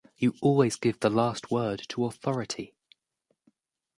You always give the last word to authority.